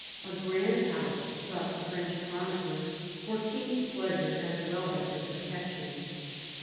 A grand house, thought the French chronicler, for kings' pleasure as well as their protection.